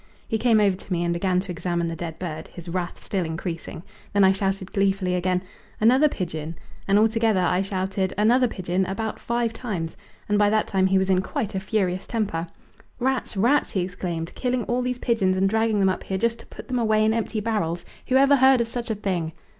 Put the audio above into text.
He came over to me and began to examine the dead bird, his wrath still increasing; then I shouted gleefully again, "Another pigeon!" and altogether I shouted "Another pigeon!" about five times, and by that time he was in a quite furious temper. "Rats rats!" he exclaimed, "killing all these pigeons and dragging them up here just to put them away in empty barrels who ever heard of such a thing!"